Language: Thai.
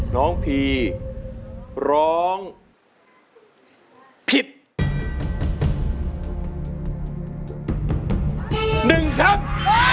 น้องพี่ร้องผิด๑คำ